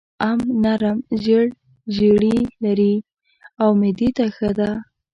ام نرم زېړ زړي لري او معدې ته ښه ده.